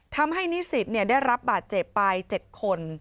ทำให้นิสิทธิ์เนี่ยได้รับบาดเจ็บปลาย๗คน